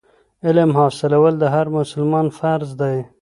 علم حاصلول د هر مسلمان فرض دی.